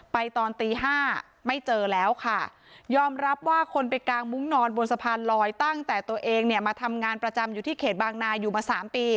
ตอนตีห้าไม่เจอแล้วค่ะยอมรับว่าคนไปกางมุ้งนอนบนสะพานลอยตั้งแต่ตัวเองเนี่ยมาทำงานประจำอยู่ที่เขตบางนาอยู่มาสามปี